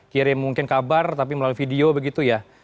kirim mungkin kabar tapi melalui video begitu ya